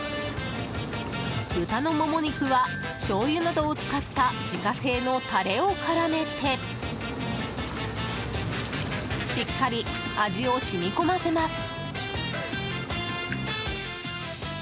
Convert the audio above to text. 豚のモモ肉は、しょうゆなどを使った自家製のタレを絡めてしっかり味を染み込ませます。